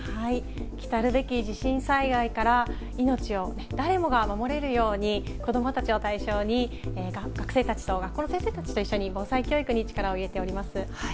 来たるべき地震災害から命を誰もが守れるように、子どもたちを対象に、学生たちと学校の先生たちと一緒に、防災教育に力を入れておりま